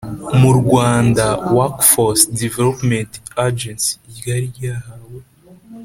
Mu rwanda workforce development agency ryari ryahawe